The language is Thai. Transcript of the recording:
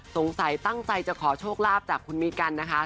สงสัยตั้งใจจะขอโชคลาภจากคุณมิกันนะคะ